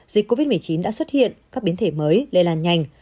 dịch covid một mươi chín đã xuất hiện các biến thể mới lây lan nhanh